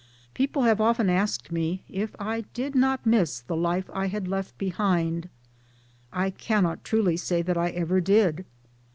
.: People have often asked me if I did not miss the life I had left behind. I cannot truly say that I ever did.